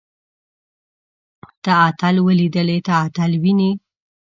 تۀ اتل وليدلې. ته اتل وينې؟